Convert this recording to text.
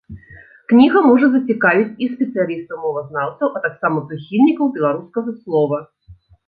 Кніга можа зацікавіць і спецыялістаў-мовазнаўцаў, а таксама прыхільнікаў беларускага слова.